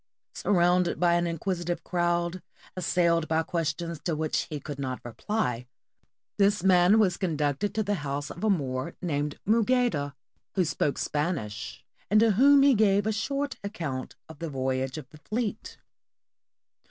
Surrounded by an inquisitive crowd, assailed by questions to which he could not reply, this man was conducted to the house of a Moor named Mougaida, who spoke Spanish and to whom he gave a short account of the voyage of the fleet.